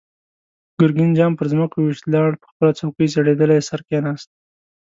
ګرګين جام پر ځمکه و ويشت، لاړ، په خپله څوکۍ زړېدلی سر کېناست.